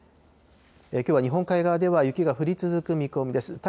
きょうは日本海側では雪が降り続く見込みです。